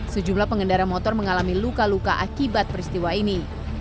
sejumlah pengendara motor mengalami luka luka akibat peristiwa ini